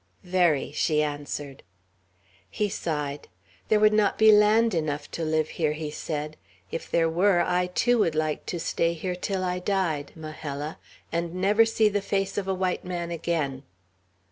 "Very," she answered. He sighed. "There would not be land enough, to live here," he said. "If there were, I too would like to stay here till I died, Majella, and never see the face of a white man again!"